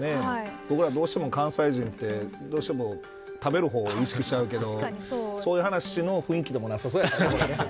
僕はどうしても関西人でどうしても食べる方を意識しちゃうけどそういう話の雰囲気でもなさそうやからね。